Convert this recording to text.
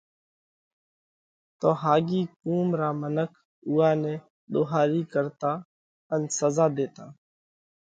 تو ۿاڳي قُوم را منک اُوئا نئہ ۮوھاري ڪرتا ان سزا ۮيتا۔